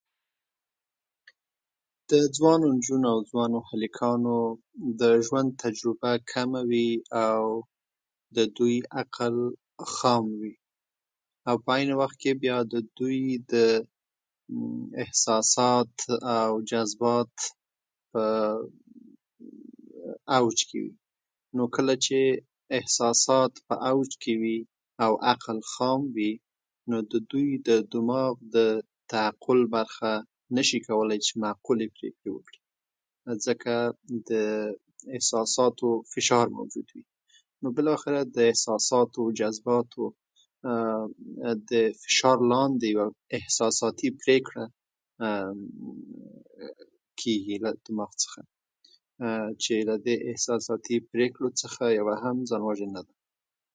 د ځوانانو، نجونو او ځوانو هلکانو د ژوند تجربه کمه وي، او د دوی عقل خام وي. او په عین وخت کې د دوی د احساسات او جذبات ممممم په اوج کې وي. نو کله چې احساسات په اوج کې وي، او عقل خام وي، او نو د دوی د دماغ د تعقل برخه نشي کولای چې معقولې پرېکړې وکړي، ځکه د احساساتو فشار موجود وي. نو بالاخره د احساساتو او جذباتو فشار لاندې یوه احساساتي پرېکړه ممممم کېږي له دماغ څخه، چې له دې احساساتو پېښو څخه يوه هم ځانوژنه ده.